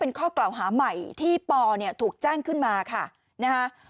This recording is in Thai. เป็นข้อกล่าวหาใหม่ที่ปเนี่ยถูกแจ้งขึ้นมาค่ะนะฮะ